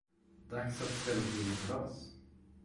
Dags att ställa till med kalas!